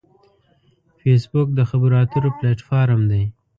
فېسبوک د خبرو اترو پلیټ فارم دی